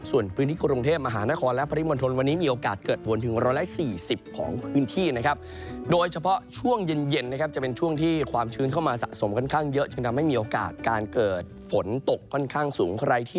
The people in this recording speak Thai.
ส่วนพื้นที่กรุงเทพฯมหานฯครและพระริมณ์มันทลวันนี้มีโอกาสเกิดฝนถึง๑๔๐ของพื้นที่นะครับ